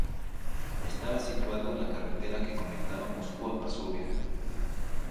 Estaba situado en la carretera que conectaba Moscú y Varsovia.